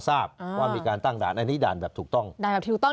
ทราบว่ามีการตั้งด่านอันนี้ด่านแบบถูกต้องด่านแบบทิวต้อง